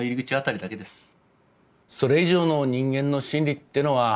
それ以上の人間の心理ってのは